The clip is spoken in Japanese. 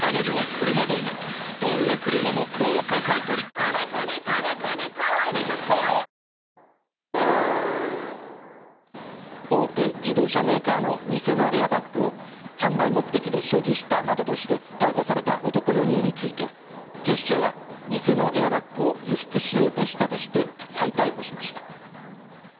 新「アタックＺＥＲＯ」大手自動車メーカーの偽のエアバッグを販売目的で所持したなどとして逮捕された男４人について、警視庁は偽のエアバッグを輸出しようとしたとして再逮捕しました。